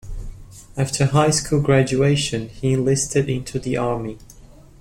After high school graduation, he enlisted into the Army.